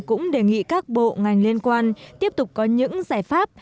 cũng đề nghị các bộ ngành liên quan tiếp tục có những giải pháp